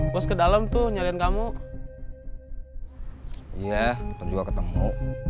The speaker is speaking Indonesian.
bos ke dalam tuh nyariin kamu iya juga ketemu